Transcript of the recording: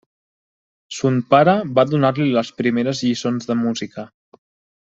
Son pare va donar-li les primeres lliçons de música.